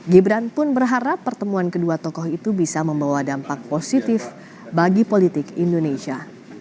gibran pun berharap pertemuan kedua tokoh itu bisa membawa dampak positif bagi politik indonesia